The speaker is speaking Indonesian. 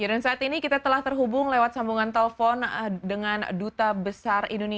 untuk menangkap pemimpin myanmar